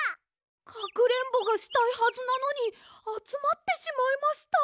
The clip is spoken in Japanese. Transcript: かくれんぼがしたいはずなのにあつまってしまいました。